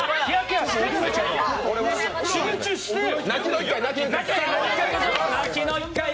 集中してよ！